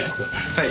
はい。